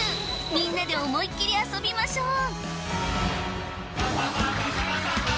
みんなで思いっきり遊びましょう！